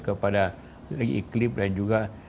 kepada lagi iklim dan juga